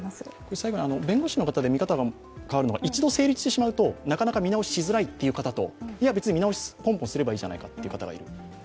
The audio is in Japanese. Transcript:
最後に、弁護士の方で見方が変わるのが一度成立してしまうと、なかなか見直ししづらいという方といや別に見直しをポンポンすればいいじゃないかという人もいる。